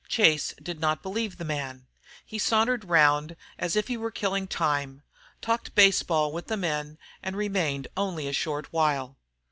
Chase did not believe the man. He sauntered round, as if he were killing time, talked baseball with the men, and remained only a short while.